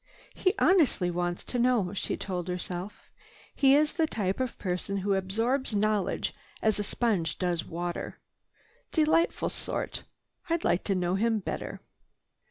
"He honestly wants to know," she told herself. "He is the type of person who absorbs knowledge as a sponge does water. Delightful sort. I'd like to know him better."